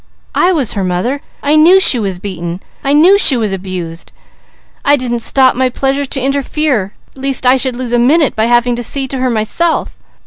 I was her mother. I knew she was beaten. I knew she was abused! I didn't stop my pleasure to interfere, lest I should lose a minute by having to see to her myself!